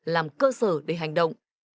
làm cơ sở để hành động